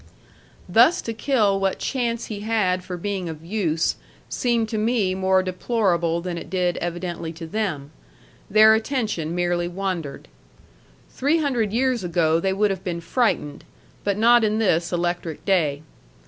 Thus to kill what chance he had for being of use seemed to me more deplorable than it did evidently to them. Their attention merely wandered. Three hundred years ago they would have been frightened; but not in this electric day.